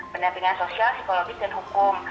pendampingan sosial psikologis dan hukum